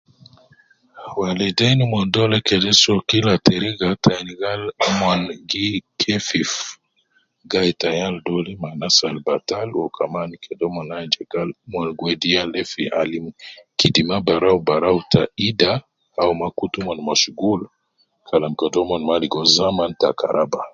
Waleidein mon dole kede soo kila teriga te ayin gal omon gi kefif gai ta yal dole ma anas al batal wu kaman kede mon ayin je gal mon gi wedi yal de fi alim kidima barau barau ya ida au ma kutu omon masghul Kalam kede mon ma ligo zaman ta karab